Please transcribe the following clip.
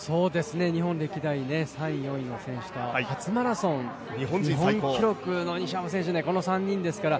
日本歴代３位、４位の選手と初マラソン日本記録の西山選手という、この３人ですから。